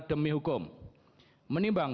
demi hukum menimbang